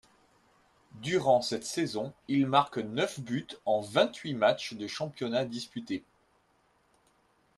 Durant cette saison, il marque neuf buts en vingt-huit matchs de championnat disputés.